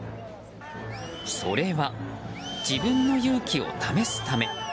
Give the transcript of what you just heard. それは自分の勇気を試すため。